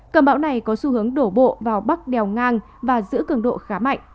cơn bão này có xu hướng đổ bộ vào bắc đèo ngang và giữ cường độ khá mạnh